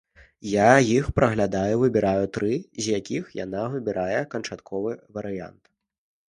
Я іх праглядаю, выбіраю тры, з якіх яна выбірае канчатковы варыянт.